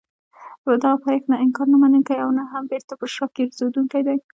دغه پایښت نه انکار نه منونکی او نه هم بېرته پر شا ګرځېدونکی دی.